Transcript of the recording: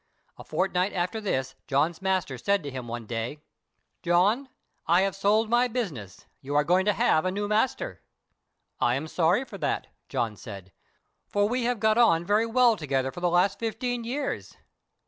A fortnight after this John's master said to him one day— "John, I have sold my business; you are going to have a new master." "I am sorry for that," John said, "for we have got on very well together for the last fifteen years.